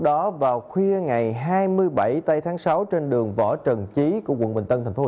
đã phối hợp để đưa truyện giáo